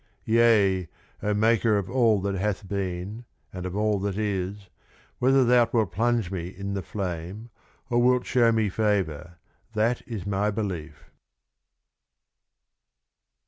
Yea, o Maker of all that hath been, and of all that is, whether Thou wilt plunge me in the Flame, or wilt show me Favour, that is my Belief.